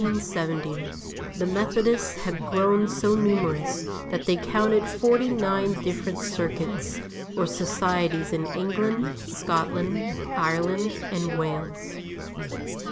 IN the year 1770 the Methodists had grown so numerous that they counted forty nine different circuits or societies in England, Scotland, Ireland and Wales.